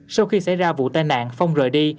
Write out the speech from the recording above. sau khi xảy ra vụ tai nạn phong rời đi